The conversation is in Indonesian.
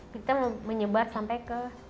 kita menyebar sampai ke